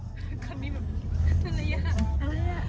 คำนี้มันยิ่งมันอะไรอะ